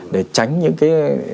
để tránh những cái